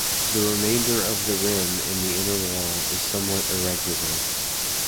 The remainder of the rim and inner wall is somewhat irregular.